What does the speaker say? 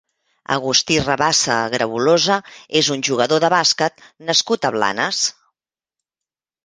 Agustí Rabassa Grabolosa és un jugador de bàsquet nascut a Blanes.